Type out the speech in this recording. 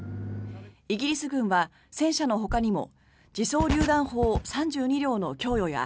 イギリス軍は戦車のほかにも自走りゅう弾砲３２両の供与や